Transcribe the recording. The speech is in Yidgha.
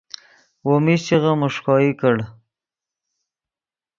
وو میشچغے میݰکوئی کڑ